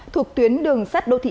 thuộc tuyến đường sắt đô thị hai